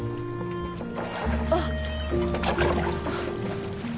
あっ。